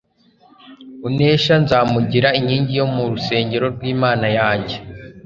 «Unesha nzamugira inkingi yo mu rusengero rw'Imana yanjye,